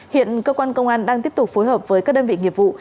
hiện cơ quan công an đang tiếp tục phối hợp với các đơn vị nghiệp vụ